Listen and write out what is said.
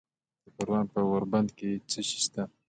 د پروان په غوربند کې څه شی شته؟